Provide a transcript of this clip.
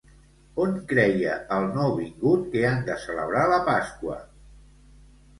On creia el nouvingut que han de celebrar la Pasqua?